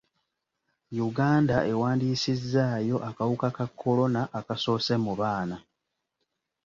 Uganda ewandiisizzayo akawuka ka kolona akasoose mu baana.